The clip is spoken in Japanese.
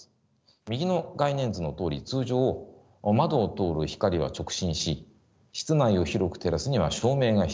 右の概念図のとおり通常窓を通る光は直進し室内を広く照らすには照明が必要です。